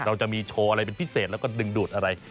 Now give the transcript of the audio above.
เราจะมีโชว์อะไรเป็นพิเศษแล้วก็ดึงดูดอะไร